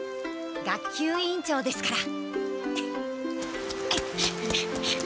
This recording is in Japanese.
学級委員長ですから。